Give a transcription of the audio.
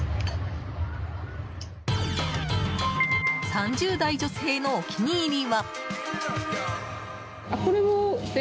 ３０代女性のお気に入りは。